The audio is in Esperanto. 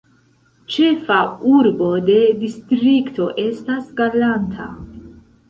Ĉefa urbo de distrikto estas Galanta.